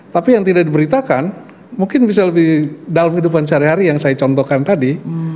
tapi yang tidak diberitakan mungkin bisa lebih dalam kehidupan sehari hari yang saya contohkan tadi